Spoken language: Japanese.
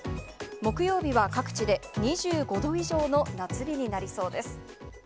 木曜日は各地で２５度以上の夏日になりそうです。